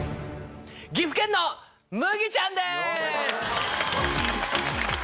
岐阜県の麦ちゃんです！